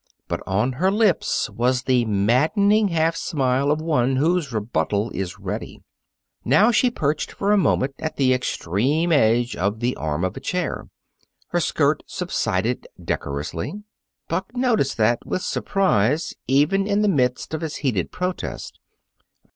But on her lips was the maddening half smile of one whose rebuttal is ready. Now she perched for a moment at the extreme edge of the arm of a chair. Her skirt subsided decorously. Buck noticed that, with surprise, even in the midst of his heated protest.